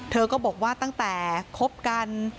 เธอก็บอกว่าตั้งแต่คบกัน